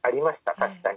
確かに。